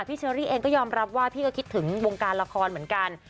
เชอรี่เองก็ยอมรับว่าพี่ก็คิดถึงวงการละครเหมือนกัน